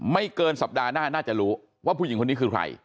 ไม่เกินสัปดาห์หน้าน่าจะรู้ว่าผู้หญิงคนนี้คือใคร